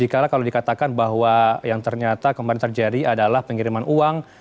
kalau dikatakan bahwa yang ternyata kemarin terjadi adalah pengiriman uang